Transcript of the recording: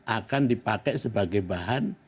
akan dipakai sebagai bahan